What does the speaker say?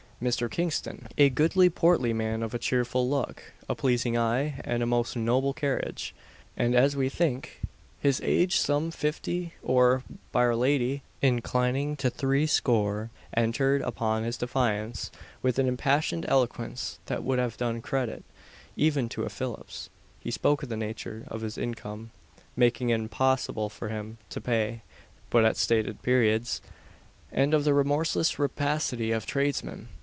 Mr. Kingston, "a goodly portly man, of a cheerful look, a pleasing eye, and a most noble carriage and, as we think, his age some fifty or, by'r Lady, inclining to three score," entered upon his defence with an impassioned eloquence that would have done credit even to a Phillips. He spoke of the nature of his income making it impossible for him to pay but at stated periods; and of the remorseless rapacity of tradesmen.